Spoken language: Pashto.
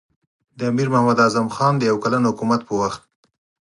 د امیر محمد اعظم خان د یو کلن حکومت په وخت.